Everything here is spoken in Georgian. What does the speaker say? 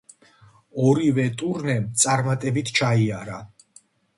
ორივე ტურნემ წარმატებით ჩაიარა.